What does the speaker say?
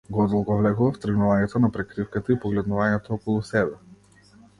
Го одолговлекував тргнувањето на прекривката и погледнувањето околу себе.